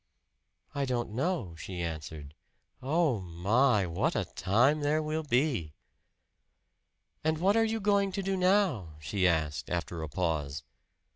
"I don't know," she answered. "Oh, my, what a time there will be!" "And what are you going to do now?" she asked after a pause.